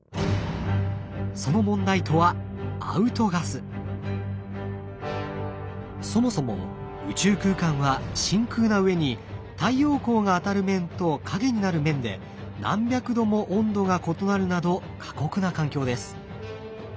その問題とはそもそも宇宙空間は真空なうえに太陽光が当たる面と陰になる面で何百度も温度が異なるなど過酷な環境です。